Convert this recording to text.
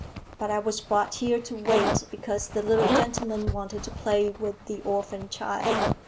But I was brought here to wait, because the little gentleman wanted to play with the orphin child."